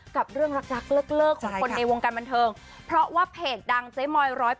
กับเรื่องรักเลิกของคนในวงการบันเทิงเพราะว่าเพจดังเจ๊มอย๑๐